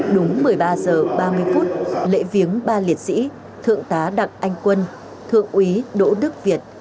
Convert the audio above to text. đúng một mươi ba h ba mươi phút lễ viếng ba liệt sĩ thượng tá đặng anh quân thượng úy đỗ đức việt